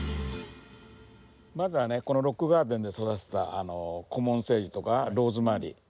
まずはねこのロックガーデンで育てたあのコモンセージとかローズマリー。